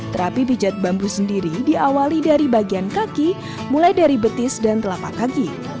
terapi pijat bambu sendiri diawali dari bagian kaki mulai dari betis dan telapak kaki